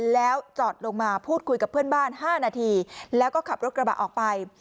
แล้วจอดลงมาพูดคุยกับเพื่อนบ้าน๕นาทีแล้วก็ขับรถกระบะออกไป